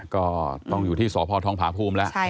ก็ต้องอยู่ที่สพทองผาภูมิแล้ว